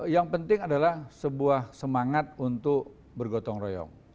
yang penting adalah sebuah semangat untuk bergotong royong